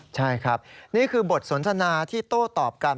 ใช่ครับนี่คือบทสนทนาที่โต้ตอบกัน